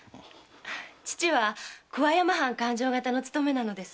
父は桑山藩勘定方の勤めなのです。